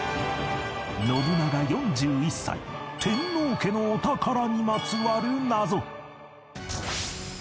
信長４１歳天皇家のお宝にまつわる謎